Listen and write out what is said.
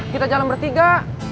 kita jalan bertiga